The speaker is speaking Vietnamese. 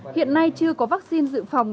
hiện nay chưa có vaccine dự phòng